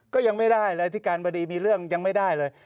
ก็ยังไม่ได้เลยอธิการบดีมีเรื่องยังไม่ได้เลย